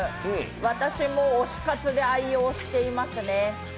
私も推し活で愛用していますね。